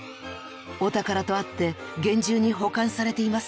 お宝とあって厳重に保管されていますね。